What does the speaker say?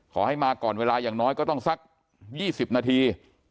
ขอให้มาก่อนเวลาอย่างน้อยก็ต้องสัก๒๐นาที